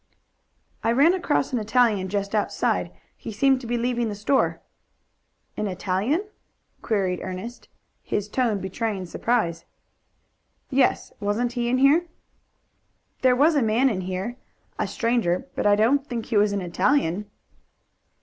"I ran across an Italian just outside. He seemed to be leaving the store." "An Italian?" queried Ernest, his tone betraying surprise. "Yes. Wasn't he in here?" "There was a man in here a stranger, but I don't think he was an Italian."